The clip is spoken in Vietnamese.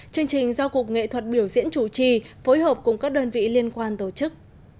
chương trình do cục nghệ thuật biểu diễn chủ trì phối hợp cùng các đơn vị liên quan tổ chức